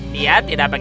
dia tidak bisa boros